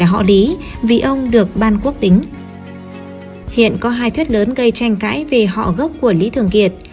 hiện có hai thuyết lớn gây tranh cãi về họ gốc của lý thường kiệt